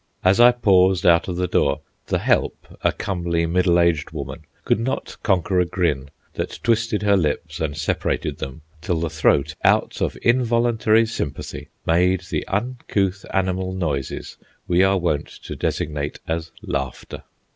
As I passed out of the door, the "help," a comely middle aged woman, could not conquer a grin that twisted her lips and separated them till the throat, out of involuntary sympathy, made the uncouth animal noises we are wont to designate as "laughter."